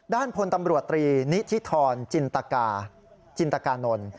ด้านพลตำรวจตรีนิธิธรจินตกาจินตกานนท์